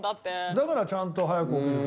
だからちゃんと早く起きるの？